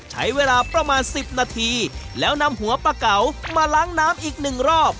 ใช้เวลาประมาณ๑๐นาทีแล้วนำหัวปลาเก๋ามาล้างน้ำอีกหนึ่งรอบ